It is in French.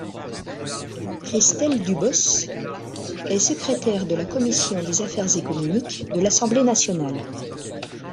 Christelle Dubos est secrétaire de la commission des Affaires économiques de l’Assemblée nationale.